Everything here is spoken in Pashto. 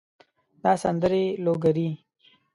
دا سندرې لوګري